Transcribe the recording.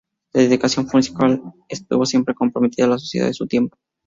Su dedicación musical estuvo siempre comprometida con la sociedad de su tiempo.